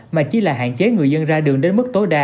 mà chỉ là hạn chế người dân ra đường đến mức tối đa